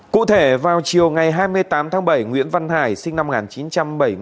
cụ thể vào chiều ngày hai mươi tám tháng bảy nguyễn văn hải sinh năm một nghìn chín trăm bảy mươi